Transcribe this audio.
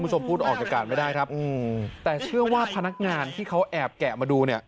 พูดออกจากการไม่ได้ครับแต่เชื่อว่าพนักงานที่เขาแอบแกะมาดูเนี่ย